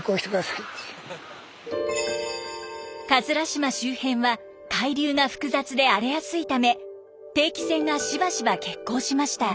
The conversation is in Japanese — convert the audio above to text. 島周辺は海流が複雑で荒れやすいため定期船がしばしば欠航しました。